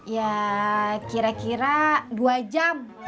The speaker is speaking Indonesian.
ya kira kira dua jam